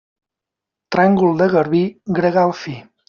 Tràngol de garbí, gregal fi.